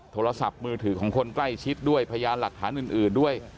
โทรศัพท์มือถือของคนใกล้ชิดด้วยพยานหลักฐานอื่นด้วย